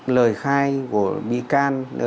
lời khai của bị can